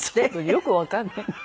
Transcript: よくわかんない。